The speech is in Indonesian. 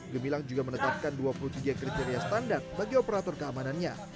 gemilang juga menetapkan dua puluh tiga kriteria standar bagi operator keamanannya